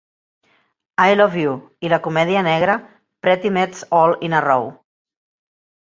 I Love You" i la comèdia negra "Pretty Maids All in a Row".